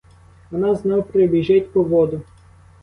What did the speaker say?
Вона знов прибіжить по воду.